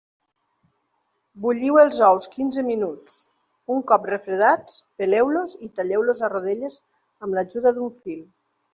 Bulliu els ous quinze minuts; un cop refredats, peleu-los i talleu-los a rodelles amb l'ajuda d'un fil.